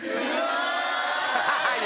はい。